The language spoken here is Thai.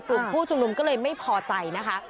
กลุ่มผู้ชุมนุมก็เลยไม่พอใจนะคะ